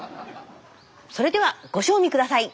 それではご賞味下さい。